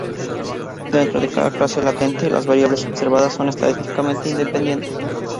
Dentro de cada clase latente, las variables observadas son estadísticamente independientes.